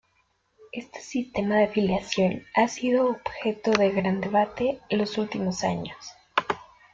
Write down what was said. Este sistema de afiliación ha sido objeto de gran debate en los últimos años.